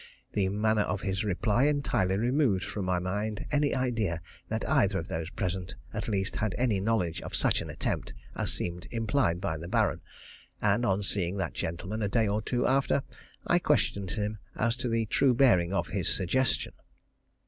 The manner of his reply entirely removed from my mind any idea that either of those present at least had any knowledge of such an attempt as seemed implied by the Baron, and on seeing that gentleman a day or two after, I questioned him as to the true bearing of his suggestion.